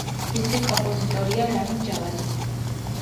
მისი კომპოზიტორია რამინ ჯავადი.